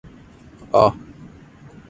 অ-